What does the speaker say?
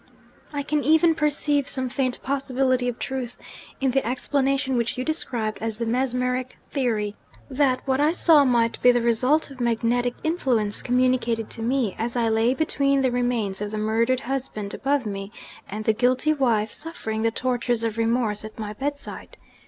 I can even perceive some faint possibility of truth in the explanation which you described as the mesmeric theory that what I saw might be the result of magnetic influence communicated to me, as I lay between the remains of the murdered husband above me and the guilty wife suffering the tortures of remorse at my bedside.